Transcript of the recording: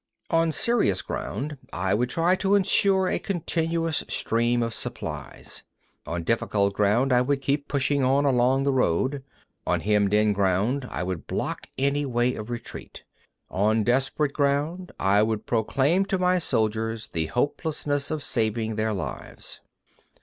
49. On serious ground, I would try to ensure a continuous stream of supplies. On difficult ground, I would keep pushing on along the road. 50. On hemmed in ground, I would block any way of retreat. On desperate ground, I would proclaim to my soldiers the hopelessness of saving their lives.